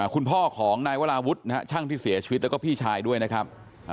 คุณพ่อของนายวราวุฒินะฮะช่างที่เสียชีวิตแล้วก็พี่ชายด้วยนะครับ